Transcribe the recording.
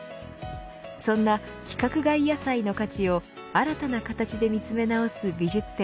そんな規格外野菜の価値を新たな形で見つめ直す美術展